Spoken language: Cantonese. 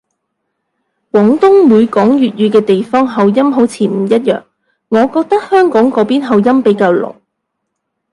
廣東每講粵語嘅地方口音好似都唔一樣，我覺得香港嗰邊口音比較濃